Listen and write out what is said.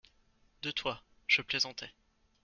De toi… je plaisantais.